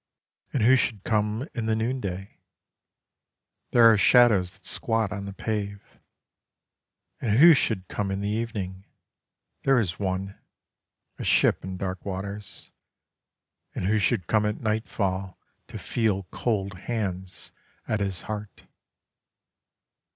And who should come in the noonday? There are shadows that squat on the pave. And who should come in the evening? There is one: a ship in dark waters. And who should come at nightfall, To feel cold hands at his heart?